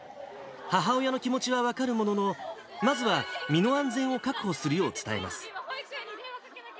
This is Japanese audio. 母親の気持ちは分かるものの、まずは身の安全を確保するよう伝えます。